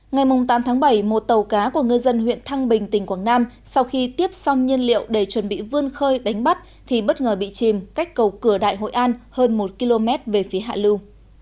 ngày tám tháng bảy một tàu cá của ngư dân huyện thăng bình tỉnh quảng nam sau khi tiếp xong nhiên liệu để chuẩn bị vươn khơi đánh bắt thì bất ngờ bị chìm cách cầu cửa đại hội an hơn một km về phía hạ lưu